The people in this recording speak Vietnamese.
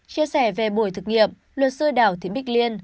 chia sẻ về buổi thực nghiệm luật sư đào thị bích liên